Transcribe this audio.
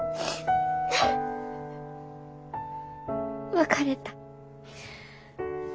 別れた。